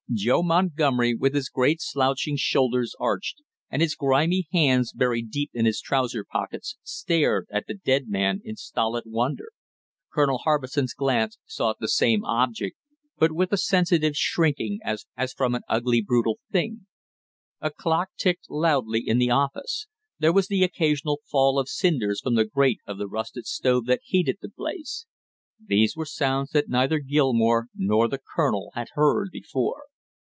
Joe Montgomery, with his great slouching shoulders arched, and his grimy hands buried deep in his trousers pockets, stared at the dead man in stolid wonder. Colonel Harbison's glance sought the same object but with a sensitive shrinking as from an ugly brutal thing. A clock ticked loudly in the office; there was the occasional fall of cinders from the grate of the rusted stove that heated the place; these were sounds that neither Gilmore nor the colonel had heard before.